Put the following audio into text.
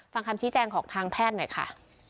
ฟังคำชี้แจงของทางแพทย์หน่อยค่ะ